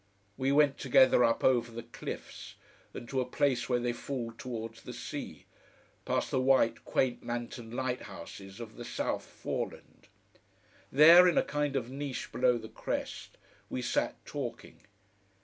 We went together up over the cliffs, and to a place where they fall towards the sea, past the white, quaint lanterned lighthouses of the South Foreland. There, in a kind of niche below the crest, we sat talking.